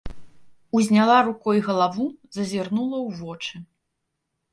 Узняла рукой галаву, зазірнула ў вочы.